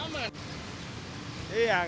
kan aja doang